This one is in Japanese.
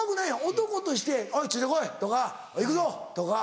男として「おいついて来い」とか「行くぞ」とか。